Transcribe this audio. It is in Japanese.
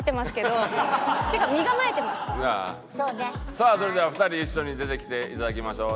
さあそれでは２人一緒に出てきていただきましょう。